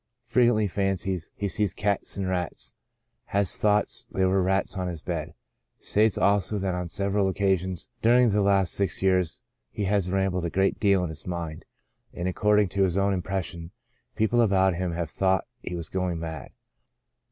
Frequently fancies he sees cats and rats, has thought there were rats on his bed. States also that on several occasions during the last six years he has rambled a great deal in his mind, and according to his own impression, "People about him have thought he was going mad."